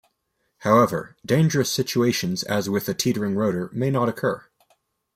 However, dangerous situations, as with a teetering rotor, may not occur.